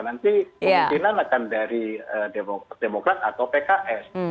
nanti kemungkinan akan dari demokrat atau pks